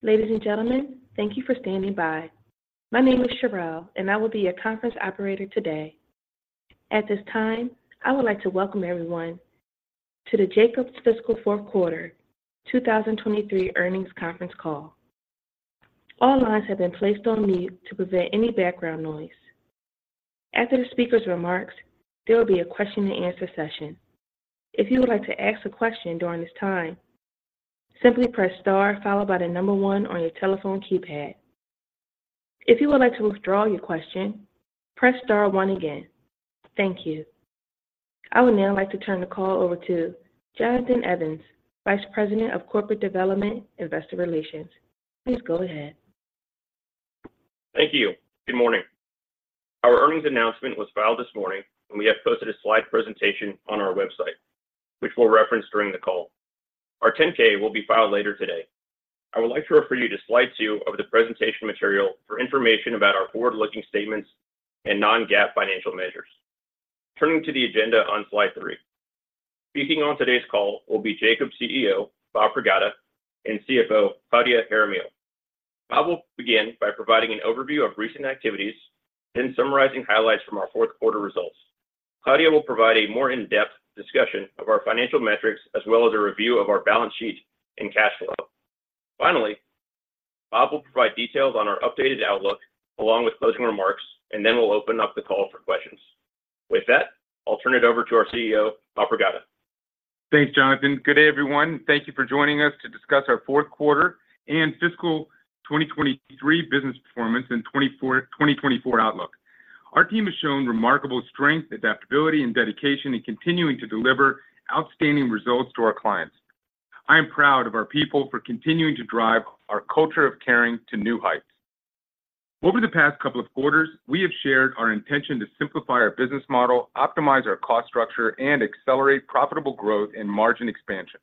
Ladies and gentlemen, thank you for standing by. My name is Cheryl, and I will be your conference operator today. At this time, I would like to welcome everyone to the Jacobs Fiscal Fourth Quarter 2023 Earnings Conference Call. All lines have been placed on mute to prevent any background noise. After the speaker's remarks, there will be a question and answer session. If you would like to ask a question during this time, simply press star followed by the number one on your telephone keypad. If you would like to withdraw your question, press star one again. Thank you. I would now like to turn the call over to Jonathan Evans, Vice President of Corporate Development, Investor Relations. Please go ahead. Thank you. Good morning. Our earnings announcement was filed this morning, and we have posted a slide presentation on our website, which we'll reference during the call. Our 10-K will be filed later today. I would like to refer you to slide two of the presentation material for information about our forward-looking statements and non-GAAP financial measures. Turning to the agenda on slide three. Speaking on today's call will be Jacobs CEO, Bob Pragada, and CFO, Claudia Jaramillo. Bob will begin by providing an overview of recent activities, then summarizing highlights from our fourth quarter results. Claudia will provide a more in-depth discussion of our financial metrics, as well as a review of our balance sheet and cash flow. Finally, Bob will provide details on our updated outlook, along with closing remarks, and then we'll open up the call for questions. With that, I'll turn it over to our CEO, Bob Pragada. Thanks, Jonathan. Good day, everyone. Thank you for joining us to discuss our fourth quarter and fiscal 2023 business performance and 2024, 2024 outlook. Our team has shown remarkable strength, adaptability, and dedication in continuing to deliver outstanding results to our clients. I am proud of our people for continuing to drive our culture of caring to new heights. Over the past couple of quarters, we have shared our intention to simplify our business model, optimize our cost structure, and accelerate profitable growth and margin expansion.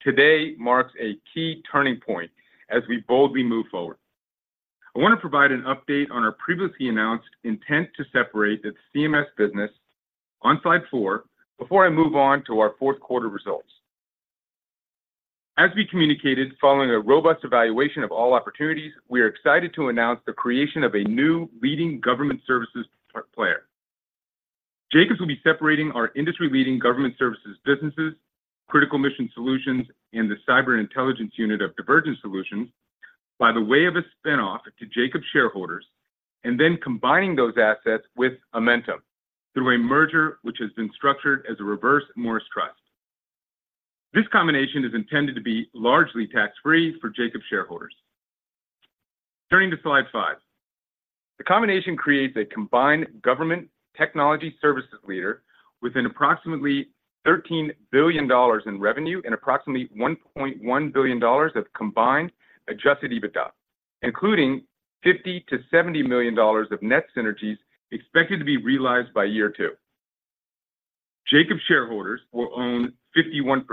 Today marks a key turning point as we boldly move forward. I want to provide an update on our previously announced intent to separate the CMS business on slide four, before I move on to our fourth quarter results. As we communicated, following a robust evaluation of all opportunities, we are excited to announce the creation of a new leading government services player. Jacobs will be separating our industry-leading government services businesses, Critical Mission Solutions, and the Cyber Intelligence Unit of Divergent Solutions, by way of a spin-off to Jacobs shareholders and then combining those assets with Amentum through a merger which has been structured as a Reverse Morris Trust. This combination is intended to be largely tax-free for Jacobs shareholders. Turning to slide five. The combination creates a combined government technology services leader with approximately $13 billion in revenue and approximately $1.1 billion of combined Adjusted EBITDA, including $50 million-$70 million of net synergies expected to be realized by year two. Jacobs shareholders will own 51%,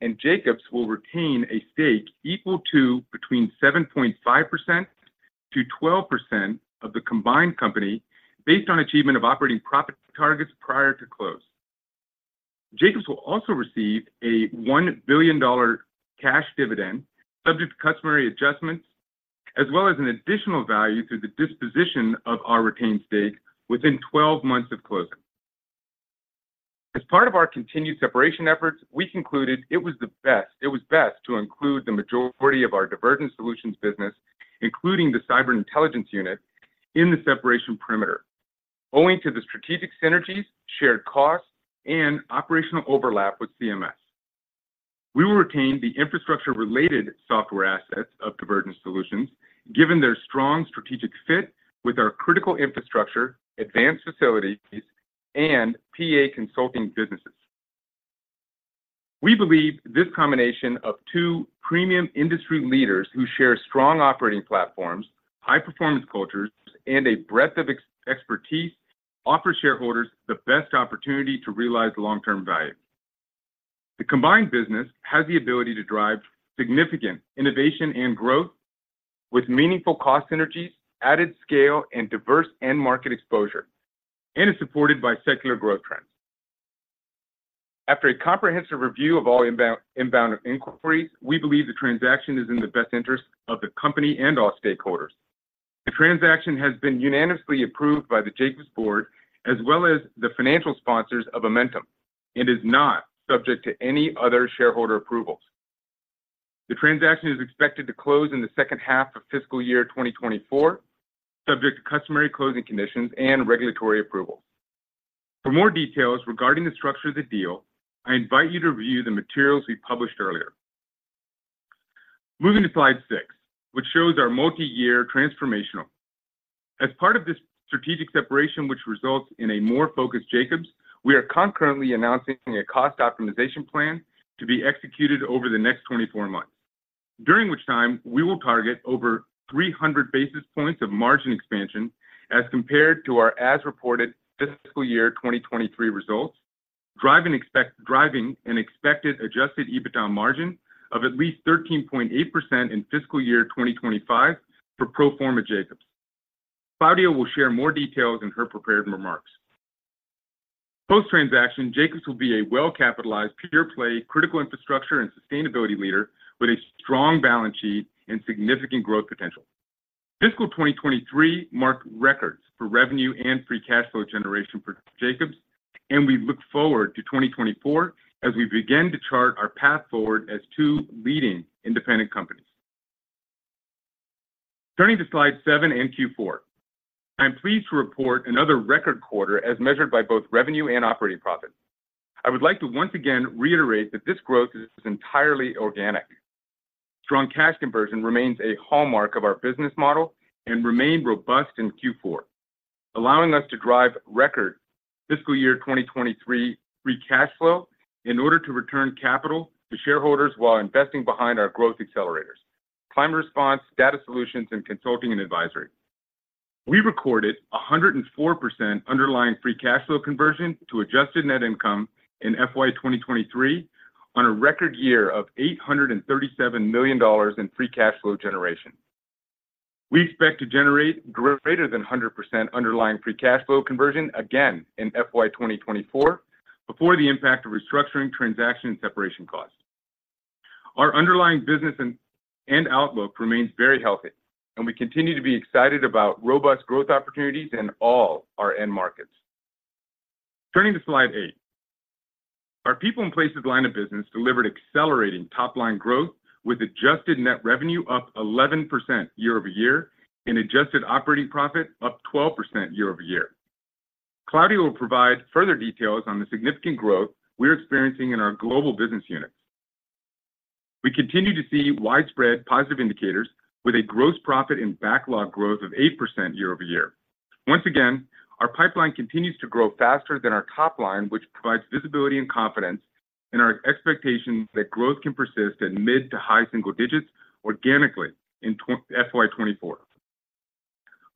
and Jacobs will retain a stake equal to between 7.5%-12% of the combined company based on achievement of operating profit targets prior to close. Jacobs will also receive a $1 billion cash dividend, subject to customary adjustments, as well as an additional value through the disposition of our retained stake within 12 months of closing. As part of our continued separation efforts, we concluded it was best to include the majority of our Divergent Solutions business, including the cyber intelligence unit, in the separation perimeter, owing to the strategic synergies, shared costs, and operational overlap with CMS. We will retain the infrastructure-related software assets of Divergent Solutions, given their strong strategic fit with our critical infrastructure, advanced facilities, and PA Consulting businesses. We believe this combination of two premium industry leaders who share strong operating platforms, high-performance cultures, and a breadth of expertise offers shareholders the best opportunity to realize long-term value. The combined business has the ability to drive significant innovation and growth with meaningful cost synergies, added scale, and diverse end-market exposure, and is supported by secular growth trends. After a comprehensive review of all inbound, inbound inquiries, we believe the transaction is in the best interest of the company and all stakeholders. The transaction has been unanimously approved by the Jacobs Board, as well as the financial sponsors of Amentum, and is not subject to any other shareholder approvals. The transaction is expected to close in the second half of fiscal year 2024, subject to customary closing conditions and regulatory approvals. For more details regarding the structure of the deal, I invite you to review the materials we published earlier. Moving to slide six, which shows our multi-year transformational. As part of this strategic separation, which results in a more focused Jacobs, we are concurrently announcing a cost optimization plan to be executed over the next 24 months, during which time we will target over 300 basis points of margin expansion as compared to our as-reported fiscal year 2023 results. driving an expected adjusted EBITDA margin of at least 13.8% in fiscal year 2025 for pro forma Jacobs. Claudia will share more details in her prepared remarks.... Post-transaction, Jacobs will be a well-capitalized, pure-play, critical infrastructure and sustainability leader with a strong balance sheet and significant growth potential. Fiscal 2023 marked records for revenue and free cash flow generation for Jacobs, and we look forward to 2024 as we begin to chart our path forward as two leading independent companies. Turning to slide seven and Q4, I'm pleased to report another record quarter as measured by both revenue and operating profit. I would like to once again reiterate that this growth is entirely organic. Strong cash conversion remains a hallmark of our business model and remained robust in Q4, allowing us to drive record fiscal year 2023 free cash flow in order to return capital to shareholders while investing behind our growth accelerators: climate response, data solutions, and consulting and advisory. We recorded 104% underlying free cash flow conversion to adjusted net income in FY 2023, on a record year of $837 million in free cash flow generation. We expect to generate greater than 100% underlying free cash flow conversion again in FY 2024, before the impact of restructuring, transaction, and separation costs. Our underlying business and outlook remains very healthy, and we continue to be excited about robust growth opportunities in all our end markets. Turning to slide eight. Our People and Places line of business delivered accelerating top-line growth, with adjusted net revenue up 11% year-over-year and adjusted operating profit up 12% year-over-year. Claudia will provide further details on the significant growth we're experiencing in our global business units. We continue to see widespread positive indicators, with a gross profit and backlog growth of 8% year-over-year. Once again, our pipeline continues to grow faster than our top line, which provides visibility and confidence in our expectations that growth can persist at mid- to high-single-digits organically in FY 2024.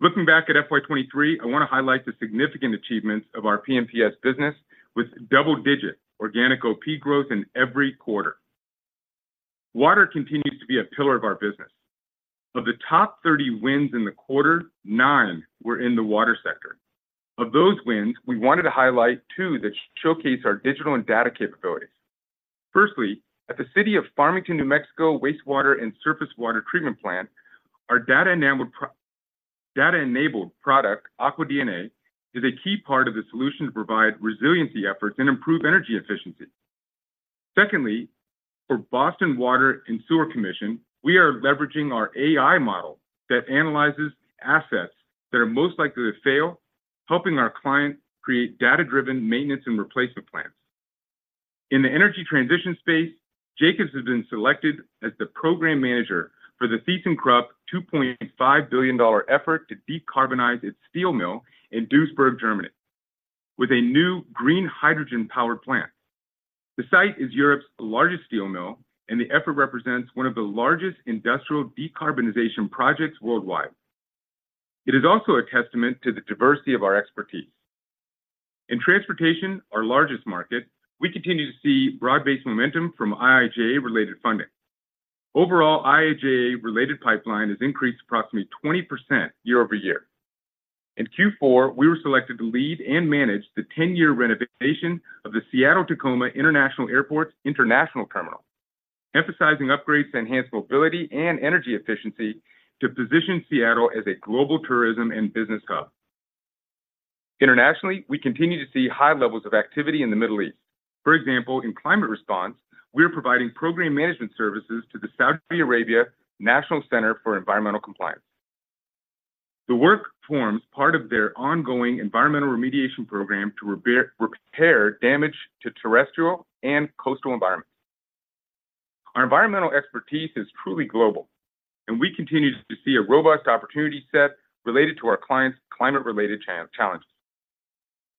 Looking back at FY 2023, I want to highlight the significant achievements of our P&PS business with double-digit organic OP growth in every quarter. Water continues to be a pillar of our business. Of the top 30 wins in the quarter, nine were in the water sector. Of those wins, we wanted to highlight two that showcase our digital and data capabilities. Firstly, at the City of Farmington, New Mexico Wastewater and Surface Water Treatment Plant, our data-enabled product, Aqua DNA, is a key part of the solution to provide resiliency efforts and improve energy efficiency. Secondly, for Boston Water and Sewer Commission, we are leveraging our AI model that analyzes assets that are most likely to fail, helping our clients create data-driven maintenance and replacement plans. In the energy transition space, Jacobs has been selected as the program manager for the thyssenkrupp $2.5 billion effort to decarbonize its steel mill in Duisburg, Germany, with a new green hydrogen-powered plant. The site is Europe's largest steel mill, and the effort represents one of the largest industrial decarbonization projects worldwide. It is also a testament to the diversity of our expertise. In transportation, our largest market, we continue to see broad-based momentum from IIJA-related funding. Overall, IIJA-related pipeline has increased approximately 20% year-over-year. In Q4, we were selected to lead and manage the 10-year renovation of the Seattle-Tacoma International Airport's international terminal, emphasizing upgrades to enhance mobility and energy efficiency to position Seattle as a global tourism and business hub. Internationally, we continue to see high levels of activity in the Middle East. For example, in climate response, we are providing program management services to the Saudi Arabia National Center for Environmental Compliance. The work forms part of their ongoing environmental remediation program to repair damage to terrestrial and coastal environments. Our environmental expertise is truly global, and we continue to see a robust opportunity set related to our clients' climate-related challenges.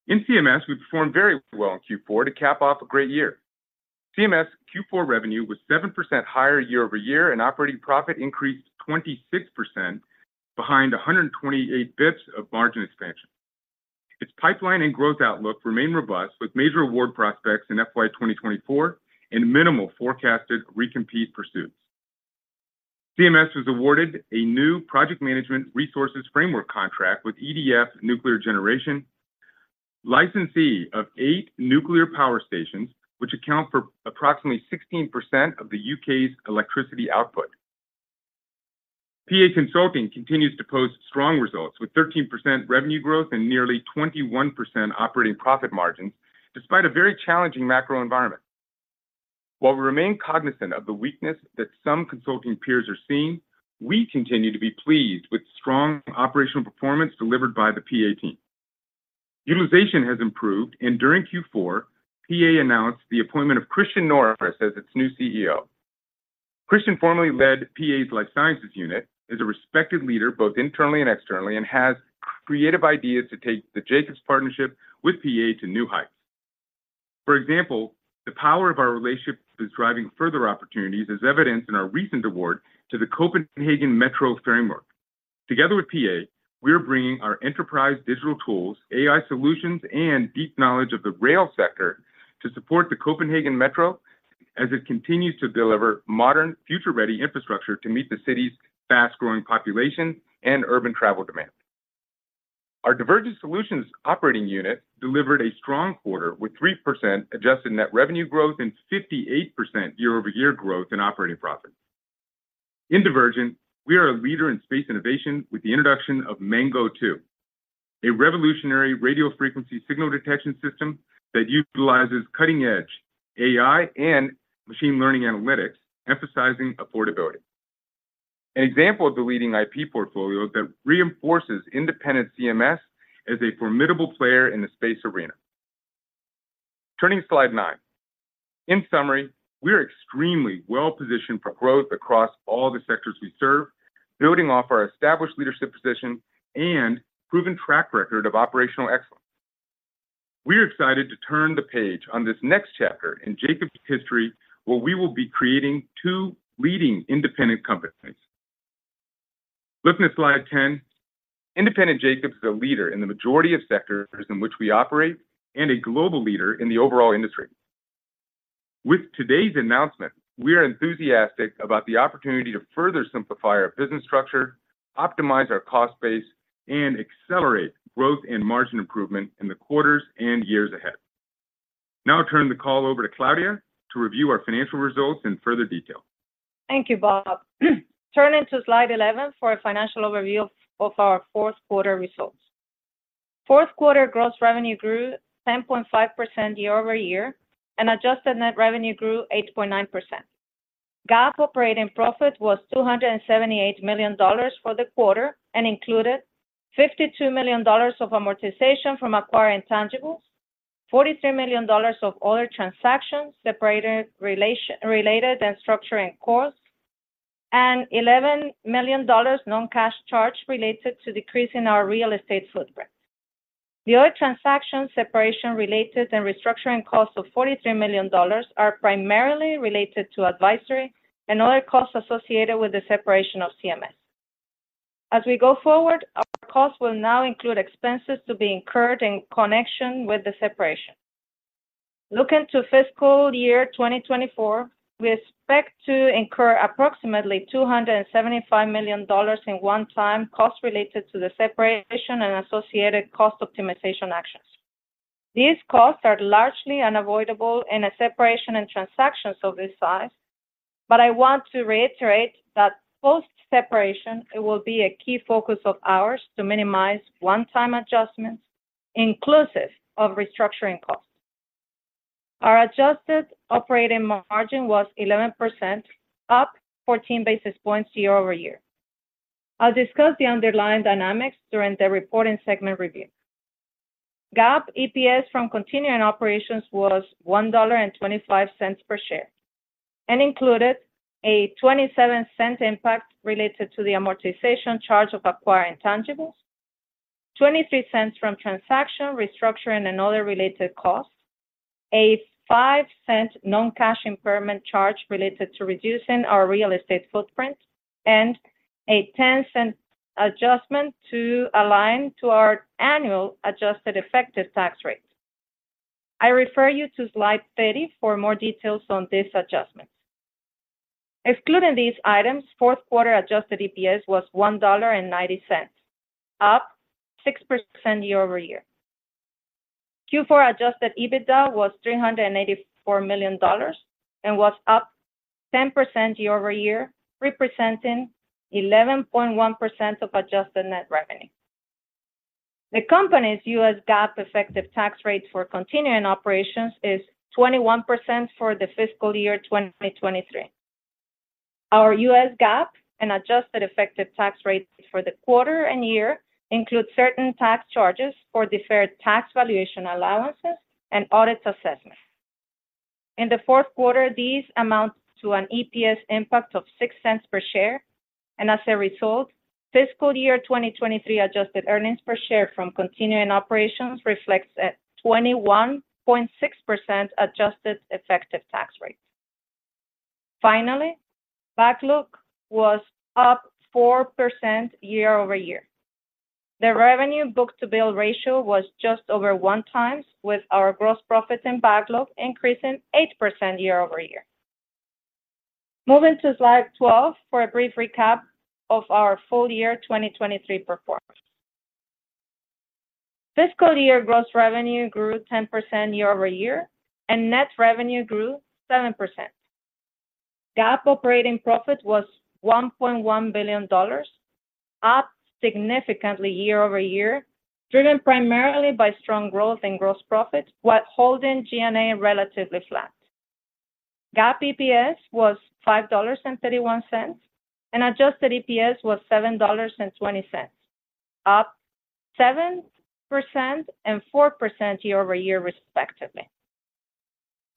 In CMS, we performed very well in Q4 to cap off a great year. CMS Q4 revenue was 7% higher year-over-year, and operating profit increased 26% behind 128 basis points of margin expansion. Its pipeline and growth outlook remain robust, with major award prospects in FY 2024 and minimal forecasted recompete pursuits. CMS was awarded a new project management resources framework contract with EDF Nuclear Generation, licensee of eight nuclear power stations, which account for approximately 16% of the U.K.'s electricity output. PA Consulting continues to post strong results, with 13% revenue growth and nearly 21% operating profit margins, despite a very challenging macro environment. While we remain cognizant of the weakness that some consulting peers are seeing, we continue to be pleased with strong operational performance delivered by the PA team. Utilization has improved, and during Q4, PA announced the appointment of Christian Norris as its new CEO. Christian formerly led PA's life sciences unit, is a respected leader, both internally and externally, and has creative ideas to take the Jacobs partnership with PA to new heights. For example, the power of our relationship is driving further opportunities, as evidenced in our recent award to the Copenhagen Metro framework. Together with PA, we are bringing our enterprise digital tools, AI solutions, and deep knowledge of the rail sector to support the Copenhagen Metro as it continues to deliver modern, future-ready infrastructure to meet the city's fast-growing population and urban travel demand. Our Divergent Solutions operating unit delivered a strong quarter, with 3% adjusted net revenue growth and 58% year-over-year growth in operating profit. In Divergent, we are a leader in space innovation with the introduction of Mango Two, a revolutionary radio frequency signal detection system that utilizes cutting-edge AI and machine learning analytics, emphasizing affordability. An example of the leading IP portfolio that reinforces independent CMS as a formidable player in the space arena. Turning to slide nine. In summary, we are extremely well-positioned for growth across all the sectors we serve, building off our established leadership position and proven track record of operational excellence. We are excited to turn the page on this next chapter in Jacobs' history, where we will be creating two leading independent companies. Looking at slide 10, independent Jacobs is a leader in the majority of sectors in which we operate and a global leader in the overall industry. With today's announcement, we are enthusiastic about the opportunity to further simplify our business structure, optimize our cost base, and accelerate growth and margin improvement in the quarters and years ahead. Now I turn the call over to Claudia to review our financial results in further detail. Thank you, Bob. Turning to slide 11 for a financial overview of our fourth quarter results. Fourth quarter gross revenue grew 10.5% year over year, and adjusted net revenue grew 8.9%. GAAP operating profit was $278 million for the quarter and included $52 million of amortization from acquired intangibles, $43 million of other transaction, separation-related and restructuring costs, and $11 million non-cash charge related to decrease in our real estate footprint. The other transaction, separation-related and restructuring costs of $43 million, are primarily related to advisory and other costs associated with the separation of CMS. As we go forward, our costs will now include expenses to be incurred in connection with the separation. Looking to fiscal year 2024, we expect to incur approximately $275 million in one-time costs related to the separation and associated cost optimization actions. These costs are largely unavoidable in a separation and transactions of this size, but I want to reiterate that post-separation, it will be a key focus of ours to minimize one-time adjustments, inclusive of restructuring costs. Our adjusted operating margin was 11%, up 14 basis points year-over-year. I'll discuss the underlying dynamics during the reporting segment review. GAAP EPS from continuing operations was $1.25 per share and included a $0.27 impact related to the amortization charge of acquired intangibles, $0.23 from transaction, restructuring, and other related costs, a $0.05 non-cash impairment charge related to reducing our real estate footprint, and a $0.10 adjustment to align to our annual adjusted effective tax rate. I refer you to slide 30 for more details on these adjustments. Excluding these items, fourth quarter adjusted EPS was $1.90, up 6% year-over-year. Q4 adjusted EBITDA was $384 million and was up 10% year-over-year, representing 11.1% of adjusted net revenue. The company's U.S. GAAP effective tax rate for continuing operations is 21% for the fiscal year 2023. Our U.S. GAAP and adjusted effective tax rate for the quarter and year include certain tax charges for deferred tax valuation allowances and audit assessments. In the fourth quarter, these amount to an EPS impact of $0.06 per share, and as a result, fiscal year 2023 adjusted earnings per share from continuing operations reflects a 21.6% adjusted effective tax rate. Finally, backlog was up 4% year-over-year. The revenue book-to-bill ratio was just over 1x, with our gross profits and backlog increasing 8% year-over-year. Moving to slide 12 for a brief recap of our full year 2023 performance. Fiscal year gross revenue grew 10% year-over-year, and net revenue grew 7%. GAAP operating profit was $1.1 billion, up significantly year-over-year, driven primarily by strong growth in gross profit, while holding G&A relatively flat. GAAP EPS was $5.31, and adjusted EPS was $7.20, up 7% and 4% year-over-year, respectively.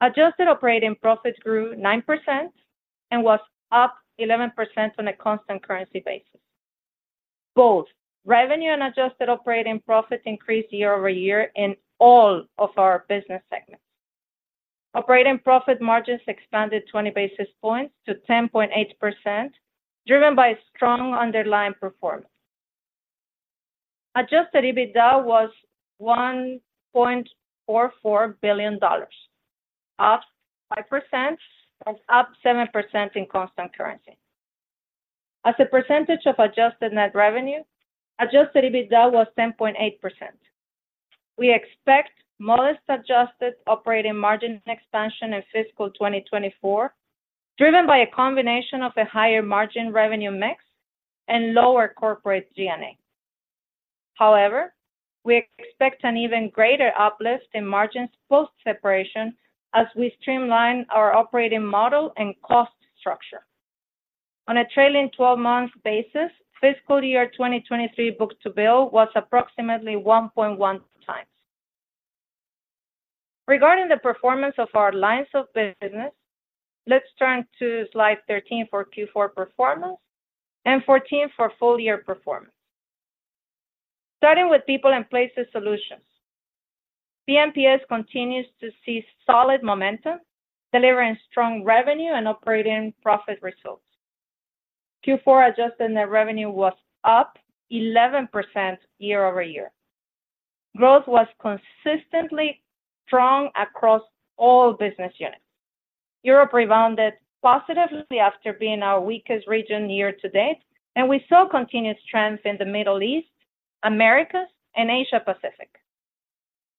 Adjusted operating profit grew 9% and was up 11% on a constant currency basis. Both revenue and adjusted operating profit increased year-over-year in all of our business segments. Operating profit margins expanded 20 basis points to 10.8%, driven by strong underlying performance. Adjusted EBITDA was $1.44 billion, up 5% and up 7% in constant currency. As a percentage of adjusted net revenue, adjusted EBITDA was 10.8%. We expect modest adjusted operating margin expansion in fiscal 2024, driven by a combination of a higher margin revenue mix and lower corporate G&A. However, we expect an even greater uplift in margins post-separation as we streamline our operating model and cost structure. On a trailing twelve-month basis, fiscal year 2023 book-to-bill was approximately 1.1x. Regarding the performance of our lines of business, let's turn to slide 13 for Q4 performance and 14 for full year performance. Starting with People and Places Solutions. P&PS continues to see solid momentum, delivering strong revenue and operating profit results. Q4 adjusted net revenue was up 11% year over year. Growth was consistently strong across all business units. Europe rebounded positively after being our weakest region year to date, and we saw continuous trends in the Middle East, Americas, and Asia Pacific.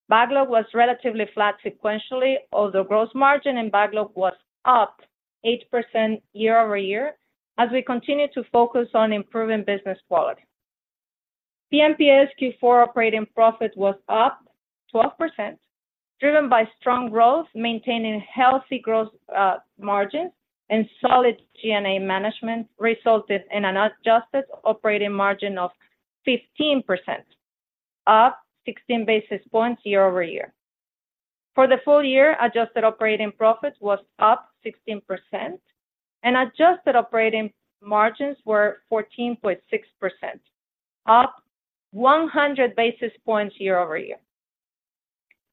Backlog was relatively flat sequentially, although gross margin and backlog was up 8% year over year as we continue to focus on improving business quality. P&PS Q4 operating profit was up 12%, driven by strong growth, maintaining healthy growth, margin, and solid G&A management resulted in an adjusted operating margin of 15%, up 16 basis points year over year. For the full year, adjusted operating profit was up 16%, and adjusted operating margins were 14.6%, up 100 basis points year over year.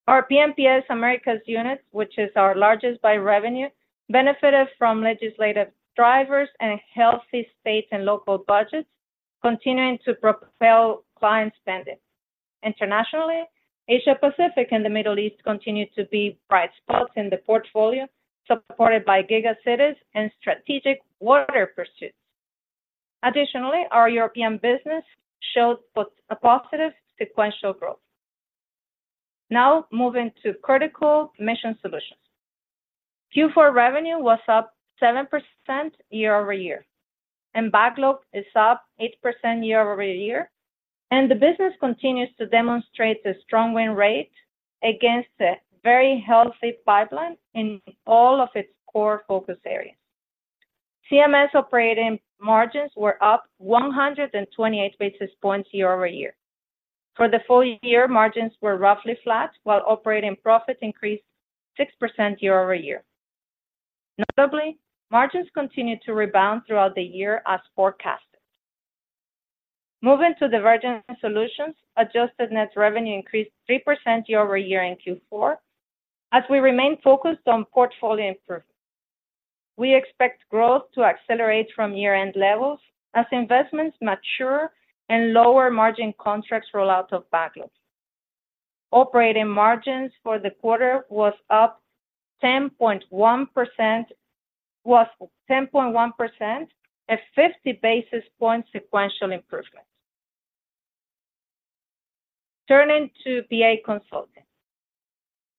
Our P&PS Americas unit, which is our largest by revenue, benefited from legislative drivers and healthy state and local budgets, continuing to propel client spending. Internationally, Asia Pacific and the Middle East continue to be bright spots in the portfolio, supported by giga cities and strategic water pursuits. Additionally, our European business showed a positive sequential growth. Now, moving to Critical Mission Solutions. Q4 revenue was up 7% year-over-year, and backlog is up 8% year-over-year, and the business continues to demonstrate a strong win rate against a very healthy pipeline in all of its core focus areas. CMS operating margins were up 128 basis points year-over-year. For the full year, margins were roughly flat, while operating profits increased 6% year-over-year. Notably, margins continued to rebound throughout the year as forecasted. Moving to Divergent Solutions, adjusted net revenue increased 3% year-over-year in Q4 as we remain focused on portfolio improvement. We expect growth to accelerate from year-end levels as investments mature and lower margin contracts roll out of backlog. Operating margins for the quarter was up 10.1%—was 10.1%, a 50 basis point sequential improvement. Turning to PA Consulting.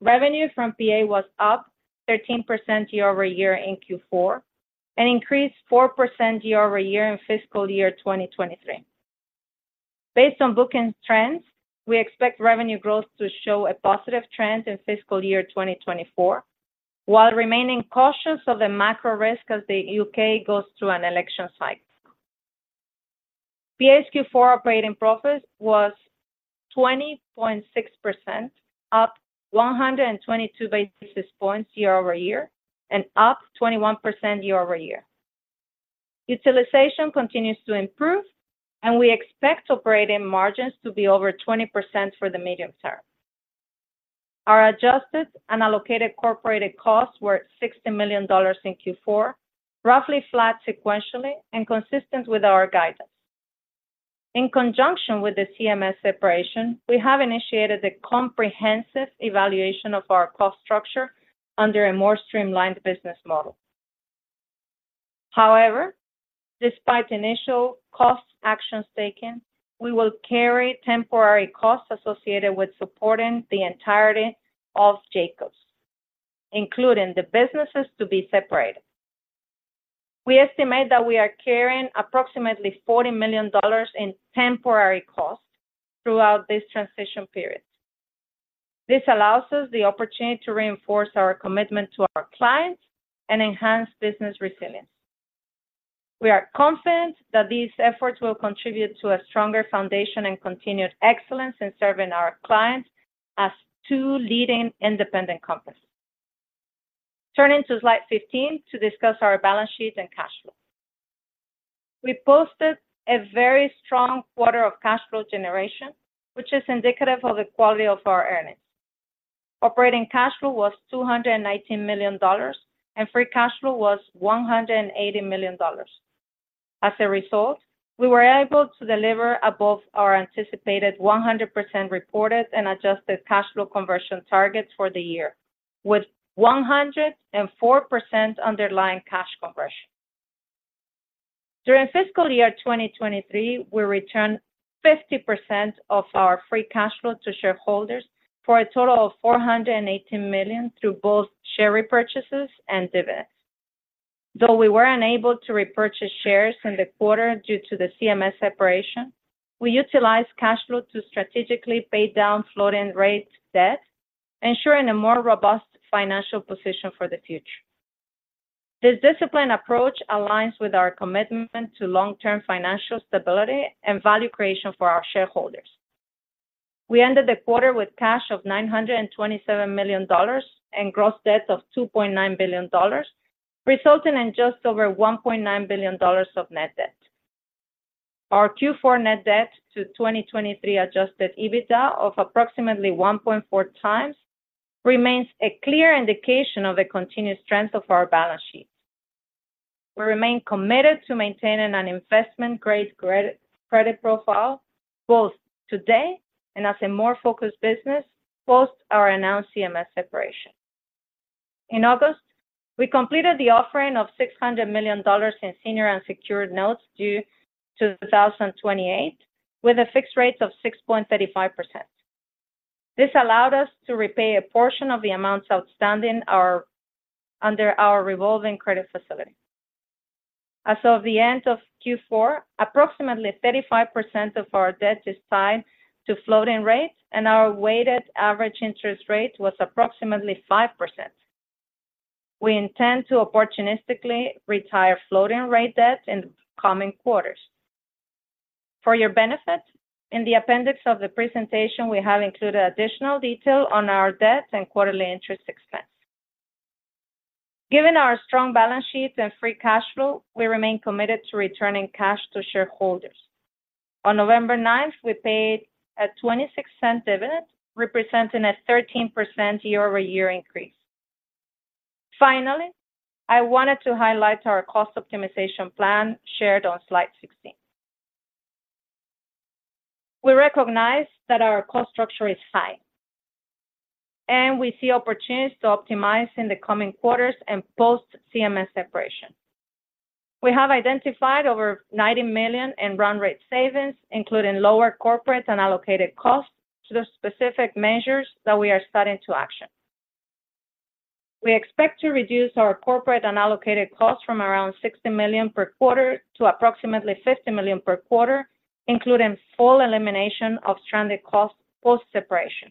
Revenue from PA was up 13% year-over-year in Q4, and increased 4% year-over-year in fiscal year 2023. Based on booking trends, we expect revenue growth to show a positive trend in fiscal year 2024, while remaining cautious of the macro risk as the U.K. goes through an election cycle. PA Q4 operating profit was 20.6%, up 122 basis points year-over-year and up 21% year-over-year. Utilization continues to improve, and we expect operating margins to be over 20% for the medium term. Our adjusted and allocated incorporated costs were $60 million in Q4, roughly flat sequentially and consistent with our guidance. In conjunction with the CMS separation, we have initiated a comprehensive evaluation of our cost structure under a more streamlined business model. However, despite initial cost actions taken, we will carry temporary costs associated with supporting the entirety of Jacobs, including the businesses to be separated. We estimate that we are carrying approximately $40 million in temporary costs throughout this transition period. This allows us the opportunity to reinforce our commitment to our clients and enhance business resilience. We are confident that these efforts will contribute to a stronger foundation and continued excellence in serving our clients as two leading independent companies. Turning to slide 15 to discuss our balance sheets and cash flow. We posted a very strong quarter of cash flow generation, which is indicative of the quality of our earnings. Operating cash flow was $219 million, and free cash flow was $180 million. As a result, we were able to deliver above our anticipated 100% reported and adjusted cash flow conversion targets for the year, with 104% underlying cash conversion. During fiscal year 2023, we returned 50% of our free cash flow to shareholders for a total of $418 million through both share repurchases and dividends. Though we were unable to repurchase shares in the quarter due to the CMS separation, we utilized cash flow to strategically pay down floating rate debt, ensuring a more robust financial position for the future. This disciplined approach aligns with our commitment to long-term financial stability and value creation for our shareholders. We ended the quarter with cash of $927 million and gross debt of $2.9 billion, resulting in just over $1.9 billion of net debt. Our Q4 net debt to 2023 Adjusted EBITDA of approximately 1.4x remains a clear indication of the continued strength of our balance sheet. We remain committed to maintaining an investment-grade credit, credit profile both today and as a more focused business, post our announced CMS separation. In August, we completed the offering of $600 million in senior and secured notes due 2028, with a fixed rate of 6.35%. This allowed us to repay a portion of the amounts outstanding under our revolving credit facility. As of the end of Q4, approximately 35% of our debt is tied to floating rates, and our weighted average interest rate was approximately 5%. We intend to opportunistically retire floating rate debt in the coming quarters. For your benefit, in the appendix of the presentation, we have included additional detail on our debt and quarterly interest expense. Given our strong balance sheets and free cash flow, we remain committed to returning cash to shareholders. On November 9th, we paid a $0.26 dividend, representing a 13% year-over-year increase. Finally, I wanted to highlight our cost optimization plan shared on slide 16. We recognize that our cost structure is high, and we see opportunities to optimize in the coming quarters and post-CMS separation. We have identified over $90 million in run rate savings, including lower corporate and allocated costs to the specific measures that we are setting to action. We expect to reduce our corporate unallocated costs from around $60 million per quarter to approximately $50 million per quarter, including full elimination of stranded costs post-separation.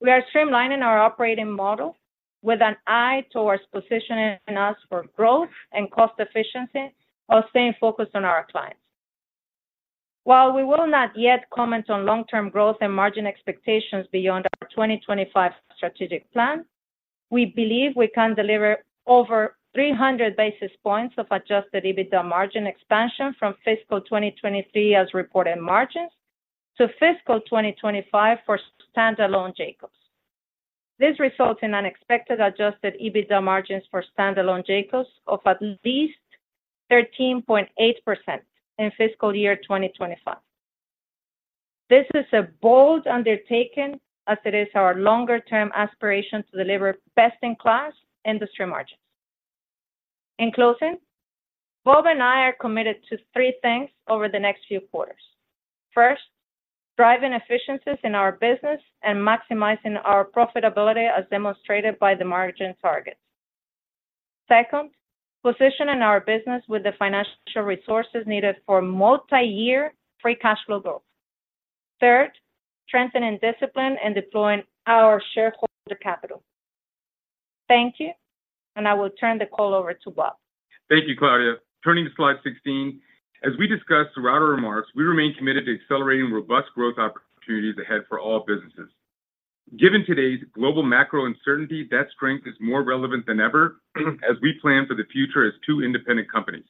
We are streamlining our operating model with an eye towards positioning us for growth and cost efficiency, while staying focused on our clients. While we will not yet comment on long-term growth and margin expectations beyond our 2025 strategic plan, we believe we can deliver over 300 basis points of adjusted EBITDA margin expansion from fiscal 2023 as reported margins to fiscal 2025 for standalone Jacobs. This results in unexpected adjusted EBITDA margins for standalone Jacobs of at least 13.8% in fiscal year 2025. This is a bold undertaking, as it is our longer-term aspiration to deliver best-in-class industry margins. In closing, Bob and I are committed to three things over the next few quarters. First, driving efficiencies in our business and maximizing our profitability, as demonstrated by the margin targets. Second, positioning our business with the financial resources needed for multi-year free cash flow growth. Third, strengthening discipline and deploying our shareholder capital. Thank you, and I will turn the call over to Bob. Thank you, Claudia. Turning to slide 16, as we discussed throughout our remarks, we remain committed to accelerating robust growth opportunities ahead for all businesses. Given today's global macro uncertainty, that strength is more relevant than ever, as we plan for the future as two independent companies.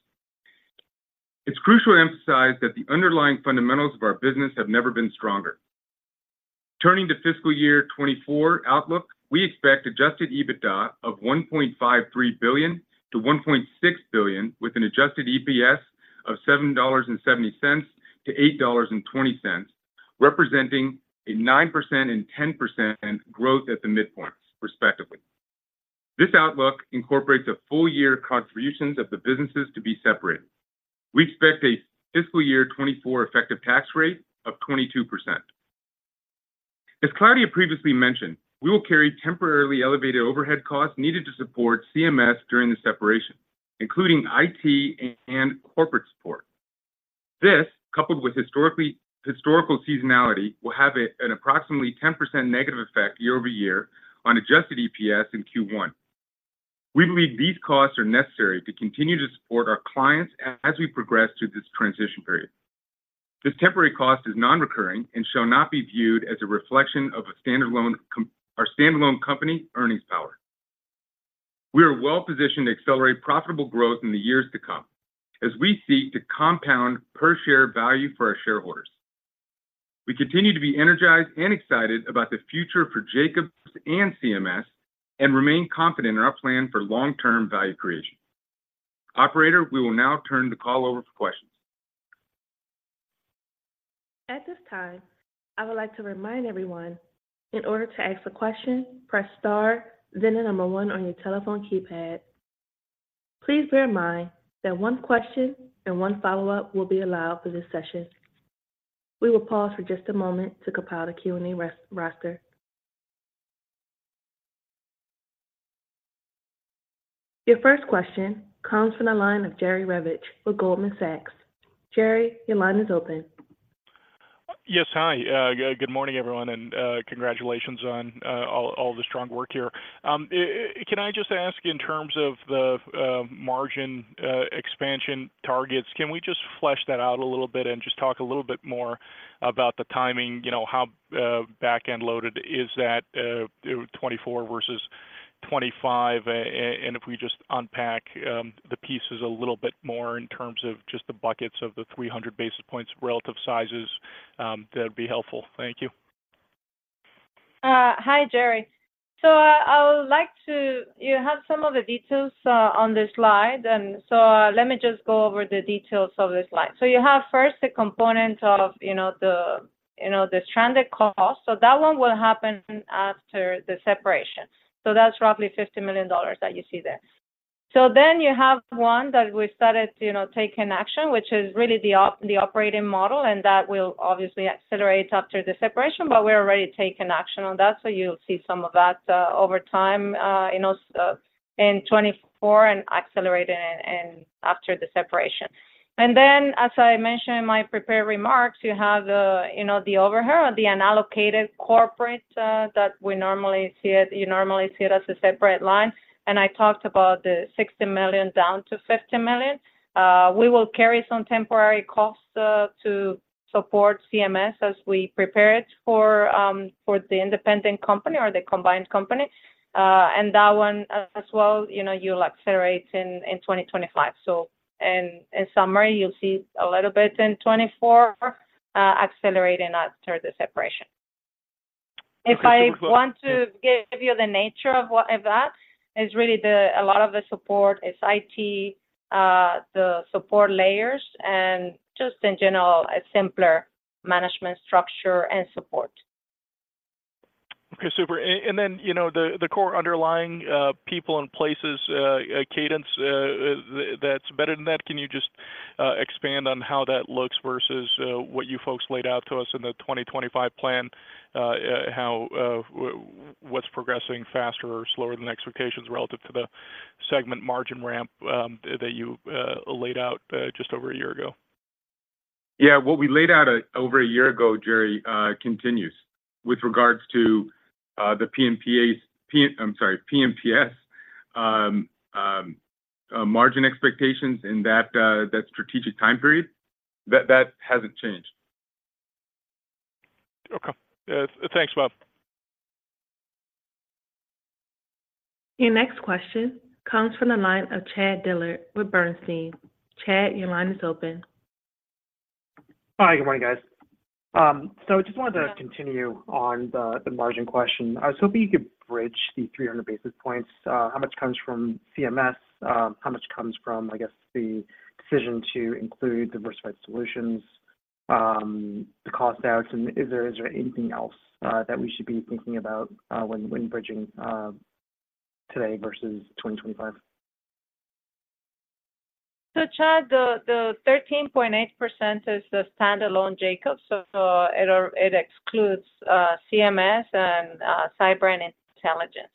It's crucial to emphasize that the underlying fundamentals of our business have never been stronger. Turning to fiscal year 2024 outlook, we expect Adjusted EBITDA of $1.53 billion-$1.6 billion, with an adjusted EPS of $7.70-$8.20, representing a 9% and 10% growth at the midpoint respectively. This outlook incorporates a full year contributions of the businesses to be separated. We expect a fiscal year 2024 effective tax rate of 22%. As Claudia previously mentioned, we will carry temporarily elevated overhead costs needed to support CMS during the separation, including IT and corporate support. This, coupled with historical seasonality, will have an approximately 10% negative effect year-over-year on adjusted EPS in Q1. We believe these costs are necessary to continue to support our clients as we progress through this transition period. This temporary cost is non-recurring and shall not be viewed as a reflection of our standalone company earnings power. We are well positioned to accelerate profitable growth in the years to come, as we seek to compound per share value for our shareholders. We continue to be energized and excited about the future for Jacobs and CMS, and remain confident in our plan for long-term value creation. Operator, we will now turn the call over for questions. At this time, I would like to remind everyone, in order to ask a question, press star then the number one on your telephone keypad. Please bear in mind that one question and one follow-up will be allowed for this session. We will pause for just a moment to compile the Q&A roster. Your first question comes from the line of Jerry Revich with Goldman Sachs. Jerry, your line is open. Yes. Hi, good morning, everyone, and congratulations on all the strong work here. Can I just ask in terms of the margin expansion targets, can we just flesh that out a little bit and just talk a little bit more about the timing? You know, how back-end loaded is that 2024 versus 2025? And if we just unpack the pieces a little bit more in terms of just the buckets of the 300 basis points, relative sizes, that'd be helpful. Thank you. Hi, Jerry. So, I would like to... You have some of the details on this slide, and so, let me just go over the details of this slide. So you have first the component of, you know, you know, the stranded cost. So that one will happen after the separation. So that's roughly $50 million that you see there. So then you have one that we started to, you know, taking action, which is really the operating model, and that will obviously accelerate after the separation, but we're already taking action on that. So you'll see some of that over time, you know, in 2024 and accelerating and, after the separation. And then, as I mentioned in my prepared remarks, you have, you know, the overhead, the unallocated corporate, that we normally see, you normally see it as a separate line. And I talked about the $60 million down to $50 million. We will carry some temporary costs to support CMS as we prepare it for for the independent company or the combined company. And that one as well, you know, you'll accelerate in 2025. So and in summary, you'll see a little bit in 2024, accelerating after the separation. Okay. If I want to give you the nature of what that is, really a lot of the support is IT, the support layers and just in general, a simpler management structure and support. Okay, super. And then, you know, the core underlying People and Places cadence that's better than that. Can you just expand on how that looks versus what you folks laid out to us in the 2025 plan? How what's progressing faster or slower than expectations relative to the segment margin ramp that you laid out just over a year ago? Yeah. What we laid out over a year ago, Jerry, continues. With regards to the P&PA... P- I'm sorry, P&PS, margin expectations in that strategic time period, that hasn't changed. Okay. Thanks, Bob. Your next question comes from the line of Chad Dillard with Bernstein. Chad, your line is open. Hi. Good morning, guys. So just wanted to continue on the margin question. I was hoping you could bridge the 300 basis points. How much comes from CMS? How much comes from, I guess, the decision to include Divergent Solutions, the cost outs? And is there anything else that we should be thinking about when bridging today versus 2025? So, Chad, the 13.8% is the standalone Jacobs, so it excludes CMS and Cyber and Intelligence.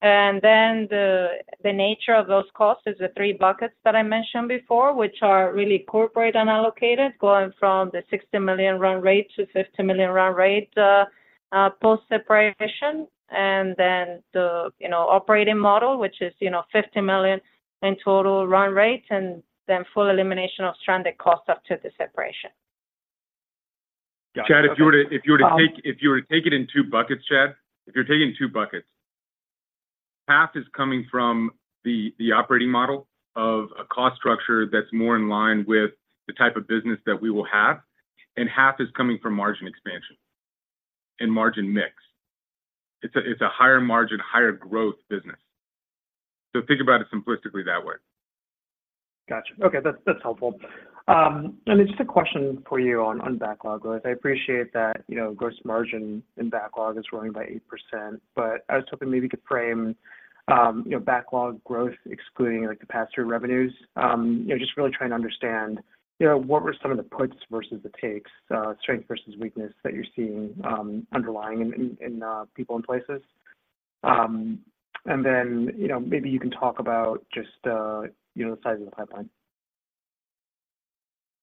And then the nature of those costs is the three buckets that I mentioned before, which are really corporate unallocated, going from the $60 million run rate to $50 million run rate post-separation. And then, you know, the operating model, which is, you know, $50 million in total run rate, and then full elimination of stranded costs up to the separation. Chad, if you were to take it in two buckets, half is coming from the operating model of a cost structure that's more in line with the type of business that we will have, and half is coming from margin expansion and margin mix. It's a higher margin, higher growth business. So think about it simplistically that way. Gotcha. Okay, that's, that's helpful. And then just a question for you on, on backlog growth. I appreciate that, you know, gross margin and backlog is growing by 8%, but I was hoping maybe you could frame, you know, backlog growth excluding, like, the pass-through revenues. You know, just really trying to understand, you know, what were some of the puts versus the takes, strength versus weakness that you're seeing, underlying in, in, people and places? And then, you know, maybe you can talk about just, you know, the size of the pipeline.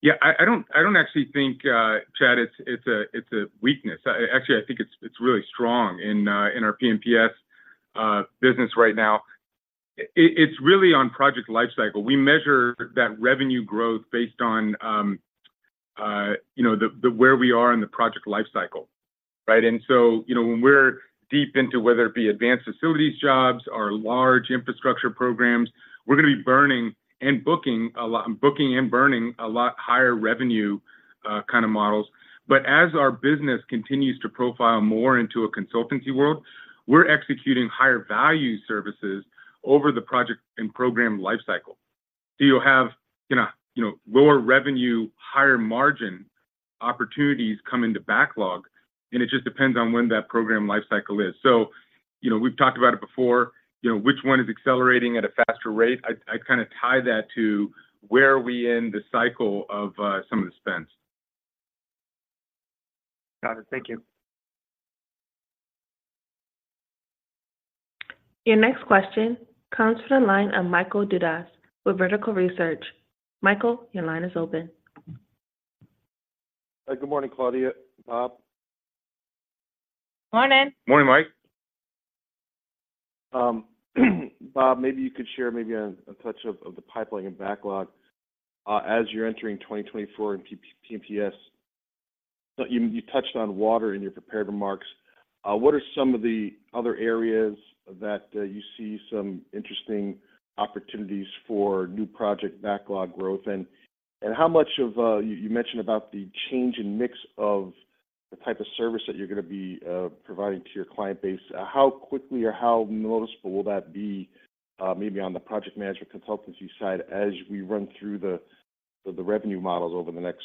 Yeah, I don't actually think, Chad, it's a weakness. Actually, I think it's really strong in our P&PS business right now. It's really on project life cycle. We measure that revenue growth based on, you know, the where we are in the project life cycle, right? And so, you know, when we're deep into whether it be advanced facilities jobs or large infrastructure programs, we're gonna be burning and booking a lot, booking and burning a lot higher revenue kind of models. But as our business continues to profile more into a consultancy world, we're executing higher value services over the project and program lifecycle. So you'll have, you know, you know, lower revenue, higher margin opportunities come into backlog, and it just depends on when that program lifecycle is. You know, we've talked about it before. You know, which one is accelerating at a faster rate? I kind of tie that to where are we in the cycle of some of the spends. Got it. Thank you. Your next question comes from the line of Michael Dudas with Vertical Research. Michael, your line is open. Hi, good morning, Claudia, Bob. Morning! Morning, Mike. Bob, maybe you could share maybe a touch of the pipeline and backlog as you're entering 2024 and P&PS. So you touched on water in your prepared remarks. What are some of the other areas that you see some interesting opportunities for new project backlog growth? And how much of... You mentioned about the change in mix of the type of service that you're gonna be providing to your client base. How quickly or how noticeable will that be, maybe on the project management consultancy side as we run through the revenue models over the next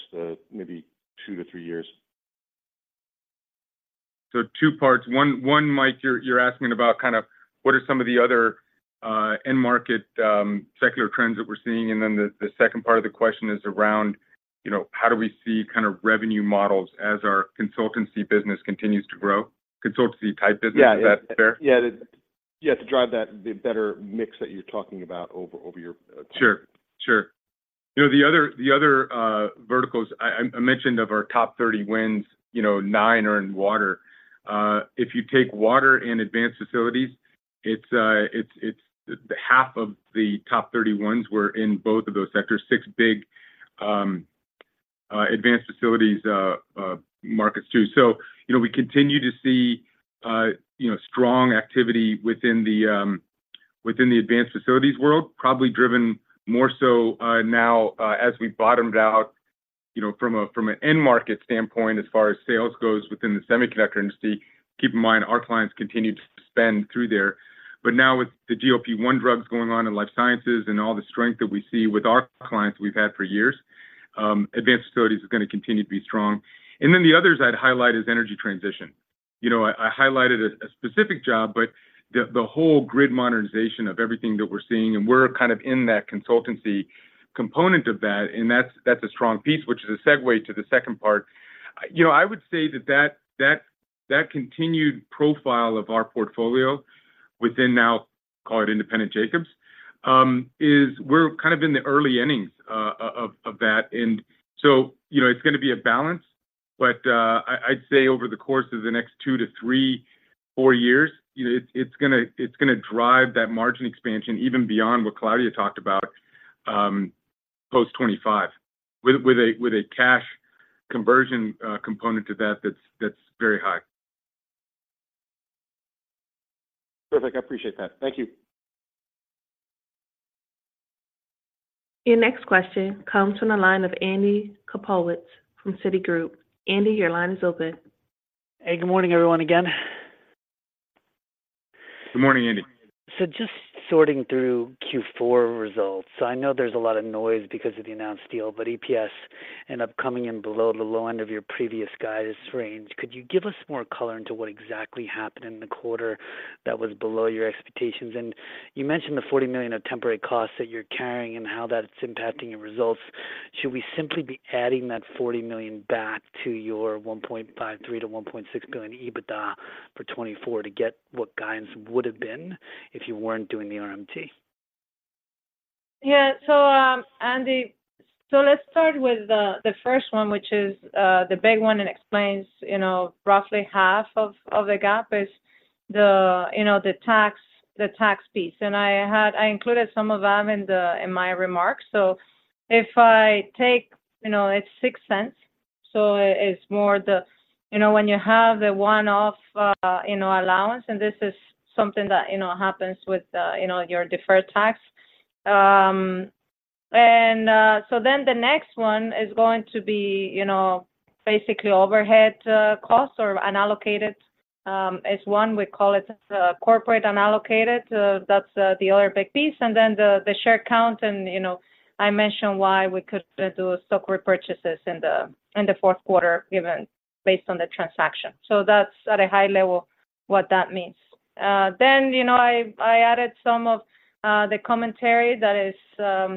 maybe two to three years? So two parts. One, Mike, you're asking about kind of what are some of the other end market secular trends that we're seeing? And then the second part of the question is around, you know, how do we see kind of revenue models as our consultancy business continues to grow? Consultancy type business- Yeah. Is that fair? Yeah. Yeah, to drive that, the better mix that you're talking about over, over your, Sure, sure. You know, the other verticals I mentioned of our top 30 wins, you know, nine are in water. If you take water and advanced facilities, it's half of the top 30 wins were in both of those sectors. Six big advanced facilities markets too. So you know, we continue to see strong activity within the advanced facilities world, probably driven more so now as we bottomed out, you know, from an end market standpoint, as far as sales goes within the semiconductor industry. Keep in mind, our clients continued to spend through there, but now with the GLP-1 drugs going on in life sciences and all the strength that we see with our clients we've had for years, advanced facilities is gonna continue to be strong. And then the others I'd highlight is energy transition. You know, I highlighted a specific job, but the whole grid modernization of everything that we're seeing, and we're kind of in that consultancy component of that, and that's a strong piece, which is a segue to the second part. You know, I would say that continued profile of our portfolio within now, call it independent Jacobs, is we're kind of in the early innings of that. You know, it's gonna be a balance, but I'd say over the course of the next two to three, four years, you know, it's gonna drive that margin expansion even beyond what Claudia talked about, post 2025, with a cash conversion component to that, that's very high. Perfect. I appreciate that. Thank you. Your next question comes from the line of Andy Kaplowitz from Citigroup. Andy, your line is open. Hey, good morning, everyone, again. Good morning, Andy. So just sorting through Q4 results, so I know there's a lot of noise because of the announced deal, but EPS end up coming in below the low end of your previous guidance range. Could you give us more color into what exactly happened in the quarter that was below your expectations? And you mentioned the $40 million of temporary costs that you're carrying and how that's impacting your results. Should we simply be adding that $40 million back to your $1.53 billion-$1.6 billion EBITDA for 2024 to get what guidance would have been if you weren't doing the RMT? Yeah. So, Andy, so let's start with the first one, which is the big one and explains, you know, roughly half of the gap is the, you know, the tax, the tax piece. And I included some of them in my remarks. So if I take, you know, it's $0.06, so it's more the... You know, when you have the one-off, you know, allowance, and this is something that, you know, happens with, you know, your deferred tax. And so then the next one is going to be, you know, basically overhead costs or unallocated, as one we call it, corporate unallocated, that's the other big piece, and then the share count. You know, I mentioned why we could do stock repurchases in the fourth quarter, given based on the transaction. So that's at a high level what that means. Then, you know, I added some of the commentary that is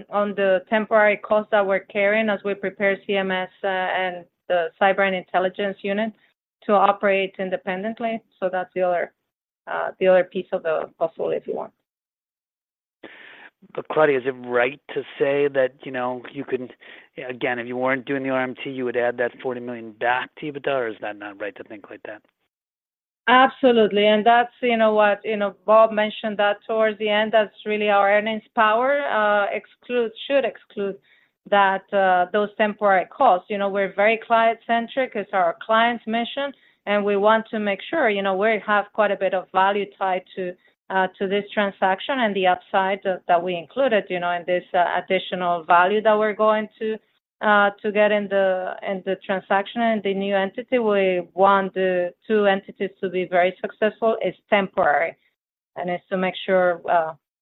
on the temporary costs that we're carrying as we prepare CMS and the cyber and intelligence unit to operate independently. So that's the other piece of the puzzle, if you want. But Claudia, is it right to say that, you know, you can... Again, if you weren't doing the RMT, you would add that $40 million back to EBITDA, or is that not right to think like that?... Absolutely, and that's, you know what, you know, Bob mentioned that towards the end, that's really our earnings power, should exclude that, those temporary costs. You know, we're very client-centric. It's our client's mission, and we want to make sure, you know, we have quite a bit of value tied to this transaction and the upside that we included, you know, in this additional value that we're going to get in the transaction and the new entity. We want the two entities to be very successful. It's temporary, and it's to make sure,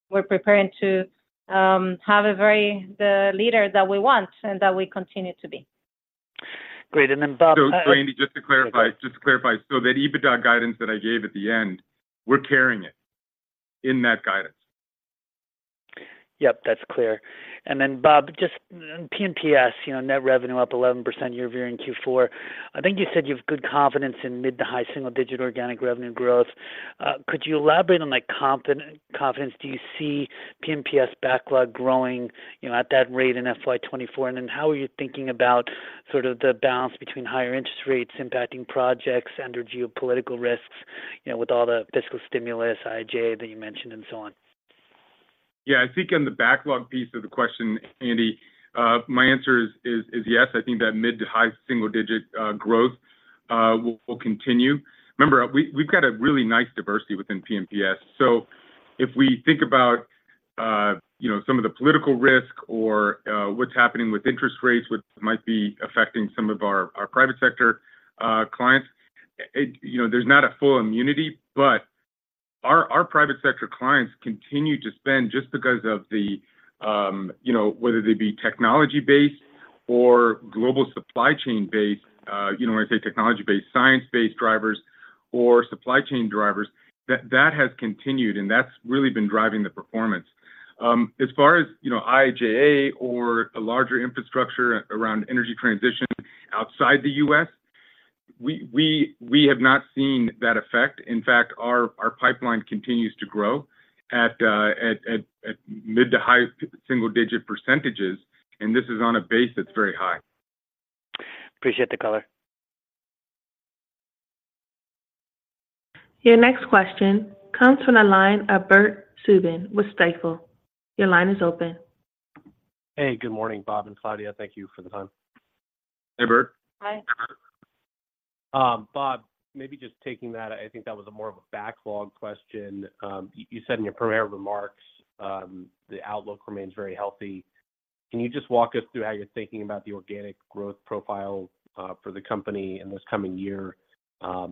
we're preparing to have the leader that we want and that we continue to be. Great, and then, Bob- So, Andy, just to clarify, so that EBITDA guidance that I gave at the end, we're carrying it in that guidance. Yep, that's clear. And then, Bob, just P&PS, you know, net revenue up 11% year-over-year in Q4. I think you said you have good confidence in mid- to high single-digit organic revenue growth. Could you elaborate on, like, confidence? Do you see P&PS backlog growing, you know, at that rate in FY 2024? And then how are you thinking about sort of the balance between higher interest rates impacting projects under geopolitical risks, you know, with all the fiscal stimulus, IIJA that you mentioned and so on? Yeah, I think on the backlog piece of the question, Andy, my answer is, is, is yes. I think that mid- to high-single-digit growth will, will continue. Remember, we, we've got a really nice diversity within P&PS. So if we think about, you know, some of the political risk or, what's happening with interest rates, which might be affecting some of our, our private sector, clients, it, you know, there's not a full immunity, but our, our private sector clients continue to spend just because of the, you know, whether they be technology-based or global supply chain-based, you know, when I say technology-based, science-based drivers or supply chain drivers, that, that has continued, and that's really been driving the performance. As far as, you know, IIJA or a larger infrastructure around energy transition outside the US, we have not seen that effect. In fact, our pipeline continues to grow at mid- to high-single-digit %, and this is on a base that's very high. Appreciate the color. Your next question comes from the line of Bert Subin with Stifel. Your line is open. Hey, good morning, Bob and Claudia. Thank you for the time. Hey, Bert. Hi. Bob, maybe just taking that, I think that was more of a backlog question. You said in your prepared remarks, the outlook remains very healthy. Can you just walk us through how you're thinking about the organic growth profile for the company in this coming year?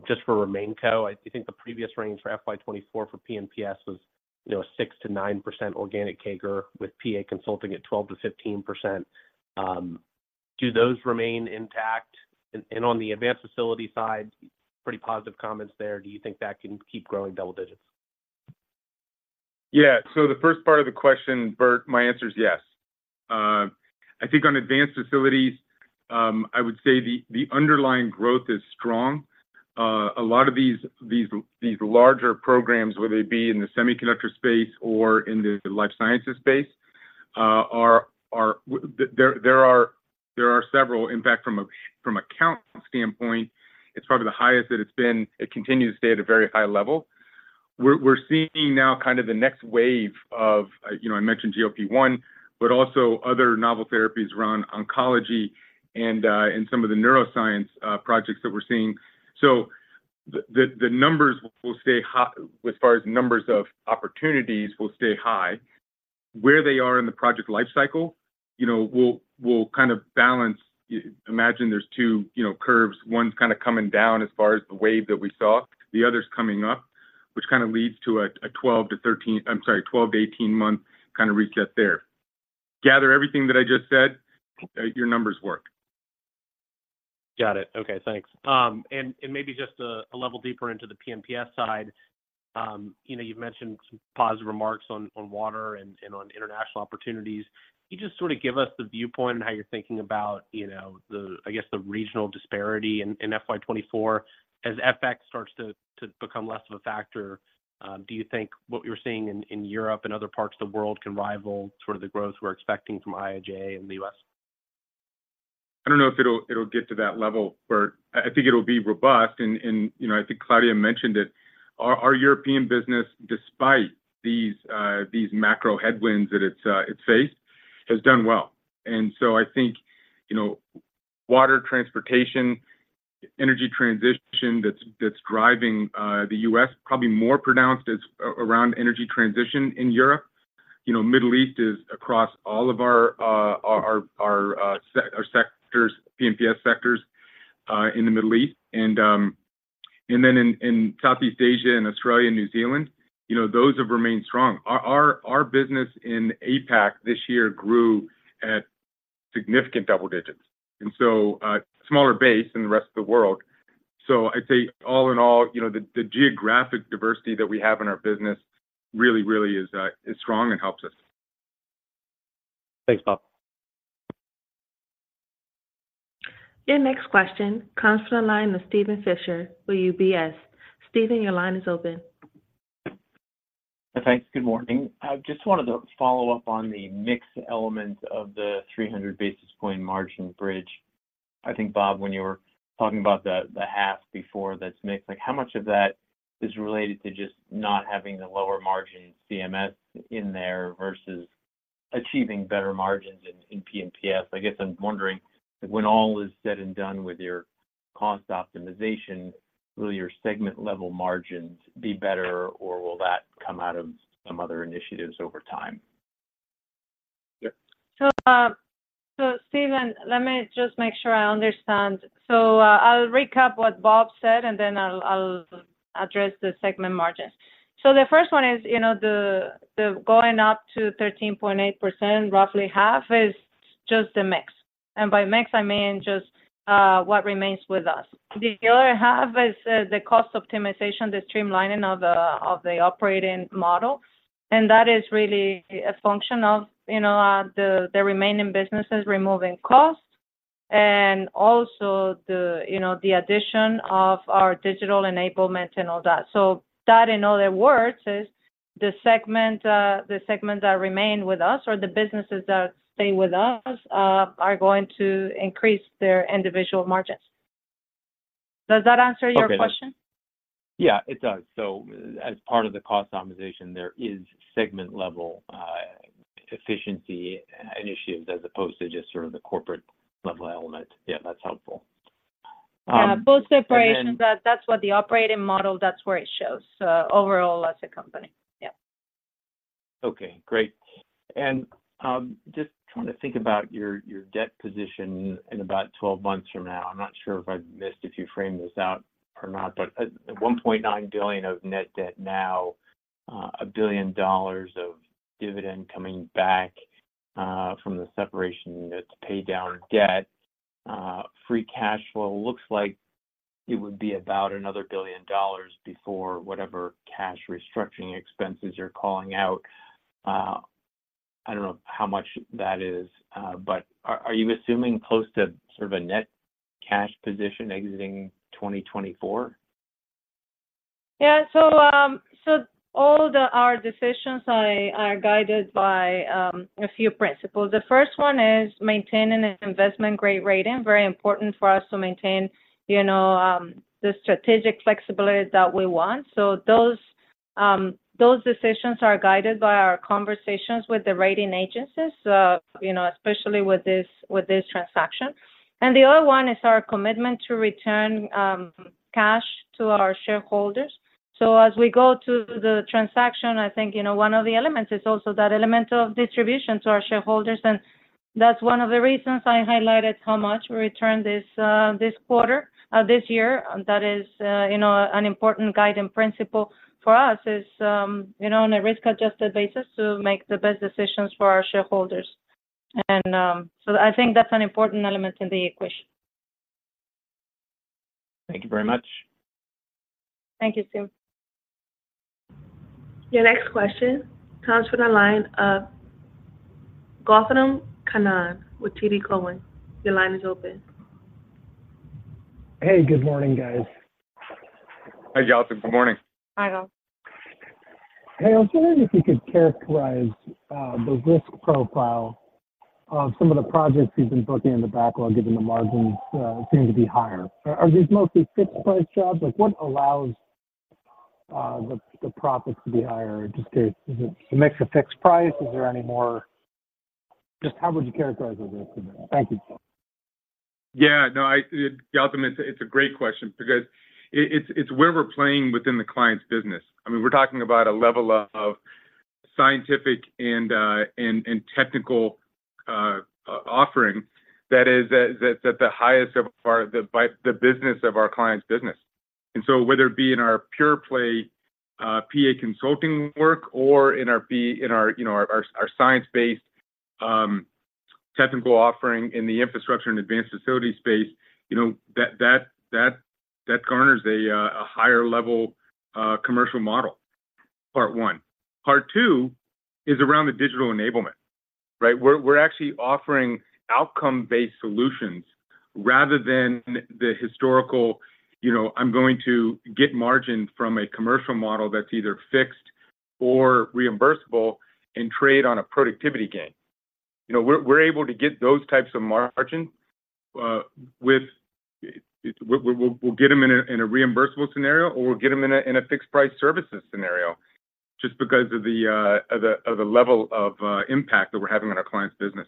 Just for RemainCo, I think the previous range for FY 2024 for P&PS was, you know, a 6%-9% organic CAGR, with PA Consulting at 12%-15%. Do those remain intact? And on the advanced facility side, pretty positive comments there. Do you think that can keep growing double digits? Yeah. So the first part of the question, Bert, my answer is yes. I think on advanced facilities, I would say the underlying growth is strong. A lot of these larger programs, whether they be in the semiconductor space or in the life sciences space, are there. There are several. In fact, from a count standpoint, it's probably the highest that it's been. It continues to stay at a very high level. We're seeing now kind of the next wave of, you know, I mentioned GLP-1, but also other novel therapies around oncology and some of the neuroscience projects that we're seeing. So the numbers will stay high, as far as numbers of opportunities, will stay high. Where they are in the project life cycle, you know, will, will kind of balance... Imagine there's two, you know, curves, one's kind of coming down as far as the wave that we saw, the other's coming up, which kind of leads to a 12- to 13-, I'm sorry, 12- to 18-month kind of reset there. Gather everything that I just said, your numbers work. Got it. Okay, thanks. And maybe just a level deeper into the P&PS side. You know, you've mentioned some positive remarks on water and on international opportunities. Can you just sort of give us the viewpoint on how you're thinking about, you know, the, I guess, the regional disparity in FY 2024? As FX starts to become less of a factor, do you think what we're seeing in Europe and other parts of the world can rival sort of the growth we're expecting from IIJA and the U.S.? I don't know if it'll get to that level, Bert. I think it'll be robust, and you know, I think Claudia mentioned it. Our European business, despite these macro headwinds that it's faced, has done well. And so I think, you know, water, transportation, energy transition, that's driving the U.S., probably more pronounced as around energy transition in Europe. You know, Middle East is across all of our sectors, P&PS sectors, in the Middle East. And then in Southeast Asia and Australia and New Zealand, you know, those have remained strong. Our business in APAC this year grew at significant double digits, and so smaller base than the rest of the world. So I'd say all in all, you know, the geographic diversity that we have in our business really, really is strong and helps us. Thanks, Bob. Your next question comes from the line with Steven Fisher with UBS. Steven, your line is open. ... Thanks. Good morning. I just wanted to follow up on the mix element of the 300 basis point margin bridge. I think, Bob, when you were talking about the, the half before, that's mix, like, how much of that is related to just not having the lower margin CMS in there versus achieving better margins in, in P&PS? I guess I'm wondering, when all is said and done with your cost optimization, will your segment-level margins be better, or will that come out of some other initiatives over time? So, Steven, let me just make sure I understand. I'll recap what Bob said, and then I'll address the segment margins. The first one is, you know, the going up to 13.8%, roughly half, is just the mix. And by mix, I mean just what remains with us. The other half is the cost optimization, the streamlining of the operating model, and that is really a function of, you know, the remaining businesses removing costs and also the, you know, the addition of our digital enablement and all that. So that, in other words, is the segment that remain with us or the businesses that stay with us are going to increase their individual margins. Does that answer your question? Okay. Yeah, it does. So as part of the cost optimization, there is segment-level, efficiency initiatives as opposed to just sort of the corporate-level element. Yeah, that's helpful. And then- Yeah, both separations, that, that's what the operating model, that's where it shows, overall as a company. Yeah. Okay, great. And, just trying to think about your, your debt position in about 12 months from now. I'm not sure if I missed, if you framed this out or not, but at, at $1.9 billion of net debt now, a $1 billion dividend coming back, from the separation to pay down debt. Free cash flow looks like it would be about another $1 billion before whatever cash restructuring expenses you're calling out. I don't know how much that is, but are, are you assuming close to sort of a net cash position exiting 2024? Yeah. So all our decisions are guided by a few principles. The first one is maintaining an investment-grade rating, very important for us to maintain, you know, the strategic flexibility that we want. So those decisions are guided by our conversations with the rating agencies, you know, especially with this transaction. And the other one is our commitment to return cash to our shareholders. So as we go to the transaction, I think, you know, one of the elements is also that element of distribution to our shareholders, and that's one of the reasons I highlighted how much we returned this quarter, this year. That is, you know, an important guiding principle for us is, you know, on a risk-adjusted basis, to make the best decisions for our shareholders. I think that's an important element in the equation. Thank you very much. Thank you, Steve. Your next question comes from the line of Gautam Khanna with TD Cowen. Your line is open. Hey, good morning, guys. Hi, Gautam. Good morning. Hi, Gautam. Hey, I was wondering if you could characterize the risk profile of some of the projects you've been booking in the backlog, given the margins seem to be higher. Are these mostly fixed-price jobs? Like, what allows the profits to be higher? Just to, is it a mix of fixed price? Is there any more... Just how would you characterize the risk in that? Thank you. Yeah. No, I, Gautam, it's a great question because it's where we're playing within the client's business. I mean, we're talking about a level of scientific and technical offering that is at the highest of our, the by the business of our client's business. And so whether it be in our pure play PA Consulting work or in our, you know, our science-based technical offering in the infrastructure and advanced facility space, you know, that garners a higher level commercial model, part one. Part two is around the digital enablement, right? We're actually offering outcome-based solutions rather than the historical, you know, I'm going to get margin from a commercial model that's either fixed or reimbursable and trade on a productivity gain. You know, we're able to get those types of margin with. We'll get them in a reimbursable scenario, or we'll get them in a fixed-price services scenario, just because of the level of impact that we're having on our clients' business.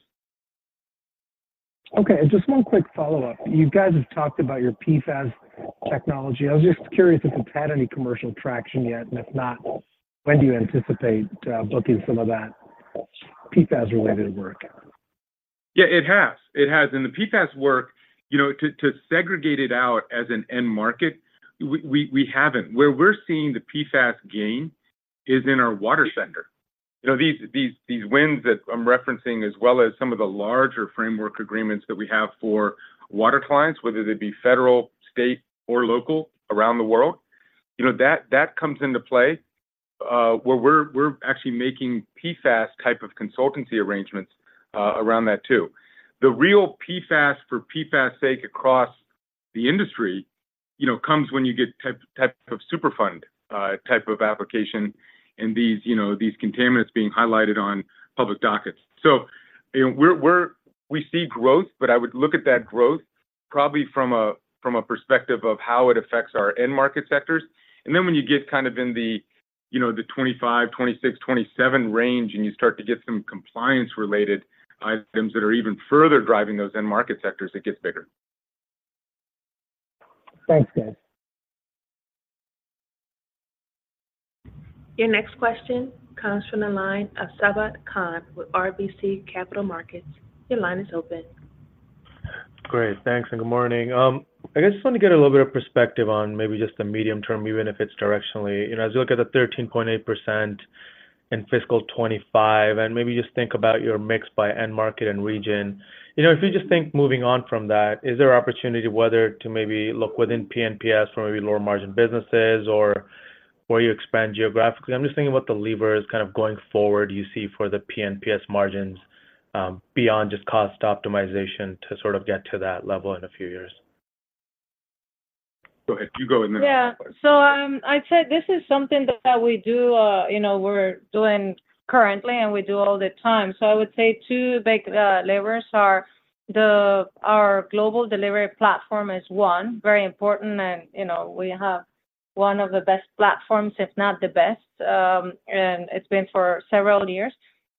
Okay, and just one quick follow-up. You guys have talked about your PFAS technology. I was just curious if it had any commercial traction yet, and if not, when do you anticipate booking some of that PFAS-related work? Yeah, it has. It has. And the PFAS work, you know, to segregate it out as an end market, we haven't. Where we're seeing the PFAS gain is in our water center. You know, these wins that I'm referencing, as well as some of the larger framework agreements that we have for water clients, whether they be federal, state, or local around the world, you know, that comes into play, where we're actually making PFAS type of consultancy arrangements around that too. The real PFAS for PFAS sake across the industry, you know, comes when you get types of Superfund type of application, and these, you know, these contaminants being highlighted on public dockets. So, you know, we see growth, but I would look at that growth probably from a perspective of how it affects our end market sectors. And then when you get kind of in the, you know, the 25, 26, 27 range, and you start to get some compliance-related items that are even further driving those end market sectors, it gets bigger. Thanks, guys. Your next question comes from the line of Sabahat Khan with RBC Capital Markets. Your line is open. Great. Thanks, and good morning. I guess I just want to get a little bit of perspective on maybe just the medium term, even if it's directionally. You know, as you look at the 13.8% in fiscal 2025, and maybe just think about your mix by end market and region. You know, if you just think moving on from that, is there opportunity whether to maybe look within P&PS for maybe lower margin businesses or where you expand geographically? I'm just thinking about the levers kind of going forward you see for the P&PS margins, beyond just cost optimization to sort of get to that level in a few years. Go ahead. You go ahead. Yeah. So, I'd say this is something that, that we do, you know, we're doing currently, and we do all the time. So I would say two big levers are the, our global delivery platform is one, very important, and, you know, we have one of the best platforms, if not the best, and it's been for several years.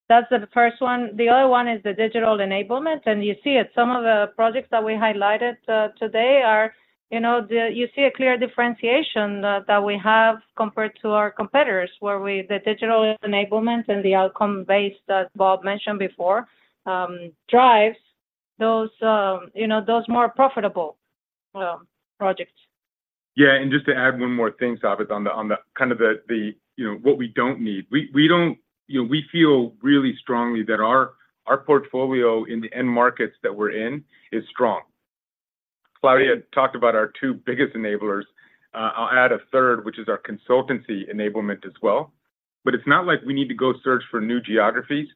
That's the first one. The other one is the digital enablement, and you see it. Some of the projects that we highlighted today are, you know, you see a clear differentiation that, that we have compared to our competitors, where we, the digital enablement and the outcome base that Bob mentioned before, drives those, you know, those more profitable projects. Yeah, and just to add one more thing, Sabahat, on the kind of, you know, what we don't need. You know, we feel really strongly that our portfolio in the end markets that we're in is strong. Claudia talked about our two biggest enablers. I'll add a third, which is our consultancy enablement as well. But it's not like we need to go search for new geographies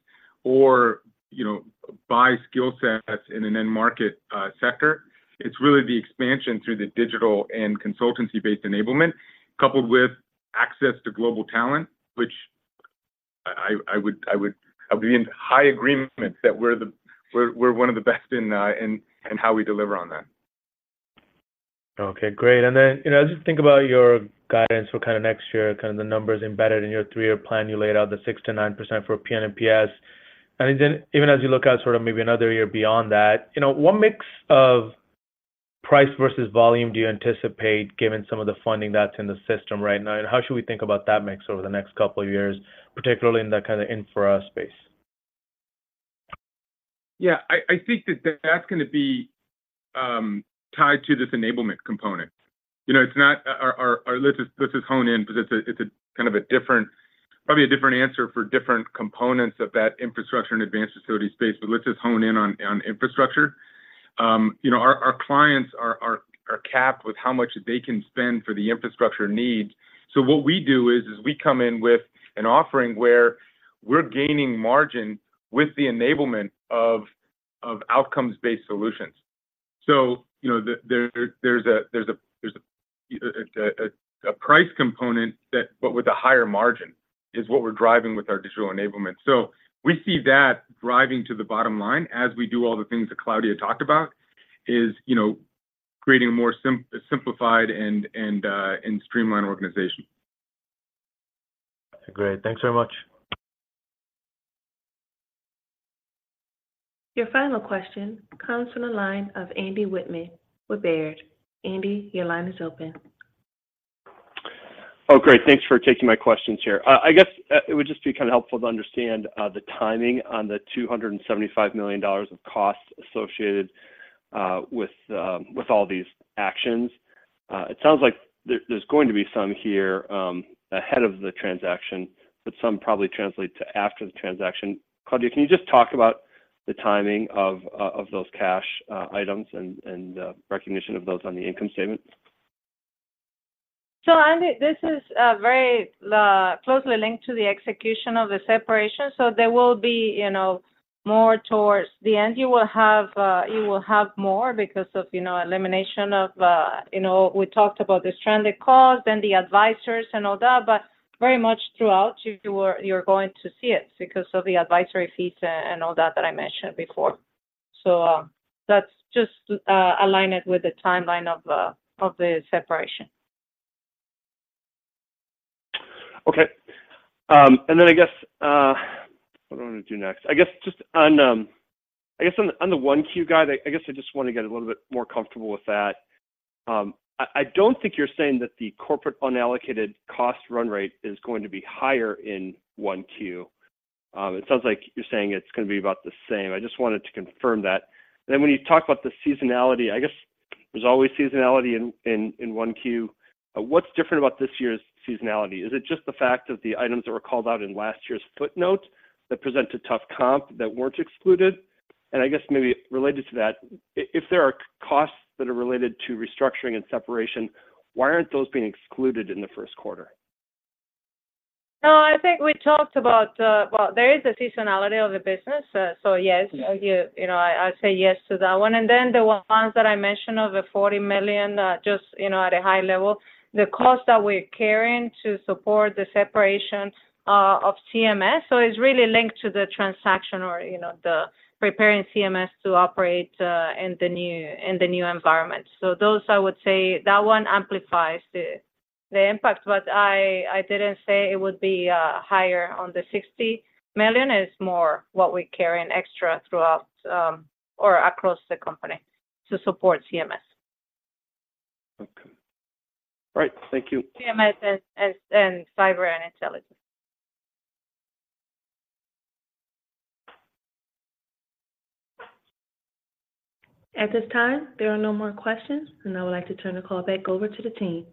or, you know, buy skill sets in an end market sector. It's really the expansion through the digital and consultancy-based enablement, coupled with access to global talent, which I would be in high agreement that we're the – we're one of the best in how we deliver on that. Okay, great. And then, you know, as you think about your guidance for kinda next year, kinda the numbers embedded in your three-year plan, you laid out the 6%-9% for P&PS. And then, even as you look out sort of maybe another year beyond that, you know, what mix of price versus volume do you anticipate, given some of the funding that's in the system right now, and how should we think about that mix over the next couple of years, particularly in that kind of infra space? Yeah, I think that's gonna be tied to this enablement component. You know, it's not our—let's just hone in because it's a kind of a different, probably a different answer for different components of that infrastructure and advanced facility space, but let's just hone in on infrastructure. You know, our clients are capped with how much they can spend for the infrastructure needs. So what we do is we come in with an offering where we're gaining margin with the enablement of outcomes-based solutions. So, you know, there's a price component that—but with a higher margin, is what we're driving with our digital enablement. So we see that driving to the bottom line as we do all the things that Claudia talked about is, you know, creating a more simplified and streamlined organization. Great. Thanks very much. Your final question comes from the line of Andy Wittmann with Baird. Andy, your line is open. Oh, great. Thanks for taking my questions here. I guess, it would just be kind of helpful to understand, the timing on the $275 million of costs associated, with, with all these actions. It sounds like there, there's going to be some here, ahead of the transaction, but some probably translate to after the transaction. Claudia, can you just talk about the timing of, of those cash, items and, and, recognition of those on the income statement? So Andy, this is very closely linked to the execution of the separation, so there will be, you know, more towards the end. You will have more because of, you know, elimination of, you know, we talked about the stranded costs and the advisors and all that, but very much throughout, you're going to see it because of the advisory fees and all that that I mentioned before. So, that's just aligned with the timeline of the separation. Okay. And then I guess, what I wanna do next? I guess just on the 1Q guide, I guess I just wanna get a little bit more comfortable with that. I don't think you're saying that the corporate unallocated cost run rate is going to be higher in 1Q. It sounds like you're saying it's gonna be about the same. I just wanted to confirm that. Then when you talk about the seasonality, I guess there's always seasonality in 1Q. What's different about this year's seasonality? Is it just the fact that the items that were called out in last year's footnote that present a tough comp that weren't excluded? I guess maybe related to that, if there are costs that are related to restructuring and separation, why aren't those being excluded in the first quarter? No, I think we talked about, well, there is a seasonality of the business, so yes- Yeah. You, you know, I, I'll say yes to that one. And then the ones that I mentioned of the $40 million, just, you know, at a high level, the cost that we're carrying to support the separation of CMS, so it's really linked to the transaction or, you know, the preparing CMS to operate in the new, in the new environment. So those, I would say, that one amplifies the, the impact, but I, I didn't say it would be higher on the $60 million. It's more what we're carrying extra throughout or across the company to support CMS. Okay. All right. Thank you. CMS and cyber and intelligence. At this time, there are no more questions, and I would like to turn the call back over to the team.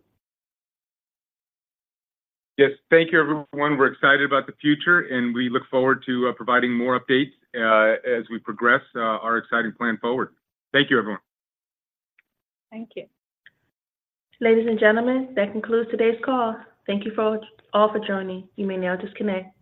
Yes, thank you, everyone. We're excited about the future, and we look forward to providing more updates as we progress our exciting plan forward. Thank you, everyone. Thank you. Ladies and gentlemen, that concludes today's call. Thank you all, all for joining. You may now disconnect.